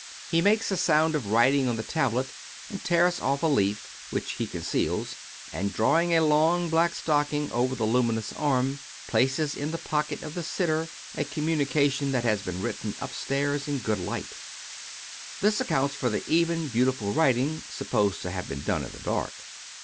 He makes a sound of writing on the tablet and tears oflF a leaf which he conceals, and, drawing a long black stocking over the luminous arm, places in the pocket of the sitter a com munication that has been written upstairs in a good light. This accounts for the even, beautiful writing, supposed to have been done in the dark.